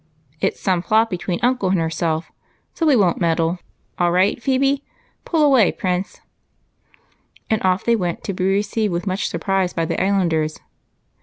" It 's some plot between uncle and herself, so we won't meddle. All right, Phebe? Pull away, Prince ;" and off they went, to be received with much surprise by the islanders.